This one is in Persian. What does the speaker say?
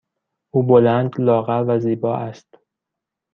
او بلند، لاغر و زیبا است.